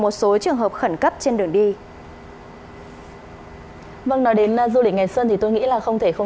một số trường hợp khẩn cấp trên đường đi vâng nói đến du lịch ngày xuân thì tôi nghĩ là không thể không